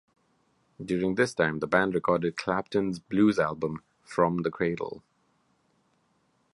During this time, the band recorded Clapton's blues album "From the Cradle".